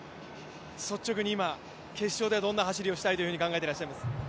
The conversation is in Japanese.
率直に今、決勝でどんな走りをしたいと考えていますか？